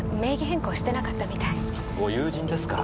ご友人ですか。